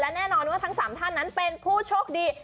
แน่นอนว่าทั้ง๓ท่านนั้นเป็นผู้โชคดี